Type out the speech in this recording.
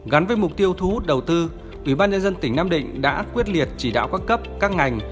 gắn với mục tiêu thu hút đầu tư ubnd tỉnh nam định đã quyết liệt chỉ đạo các cấp các ngành